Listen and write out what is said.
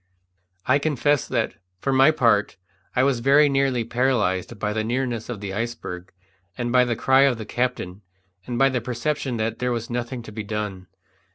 I confess that, for my part, I was very nearly paralyzed by the nearness of the iceberg, and by the cry of the captain, and by the perception that there was nothing to be done.